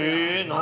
何？